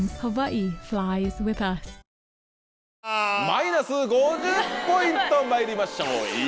マイナス５０ポイントまいりましょう。